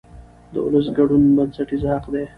د ولس ګډون بنسټیز حق دی